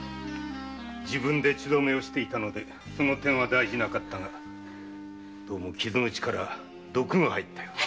自分で血止めをしていたのでその点は大事なかったが傷口から毒が入ったようだ。